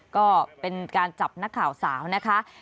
ก็เป็นการจับนักข่าวสาวนะคะ